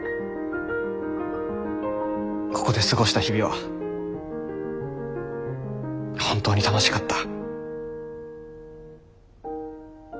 「ここで過ごした日々は本当に楽しかった」。